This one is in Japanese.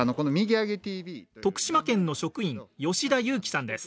徳島県の職員吉田祐輝さんです。